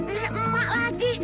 eh emak lagi